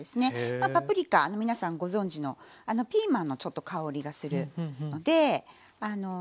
まあパプリカ皆さんご存じのピーマンのちょっと香りがするのですごくおいしいです。